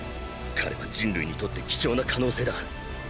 彼は人類にとって貴重な可能性だ。